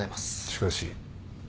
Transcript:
しかし。